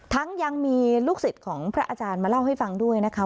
ยังมีลูกศิษย์ของพระอาจารย์มาเล่าให้ฟังด้วยนะคะ